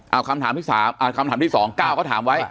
เอาคำถามที่สองก้าวก็ถามไว้